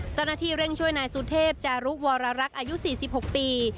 เจ้าหน้าที่เร่งช่วยนายสุเทพจารุวรรักษ์อายุ๔๖ปี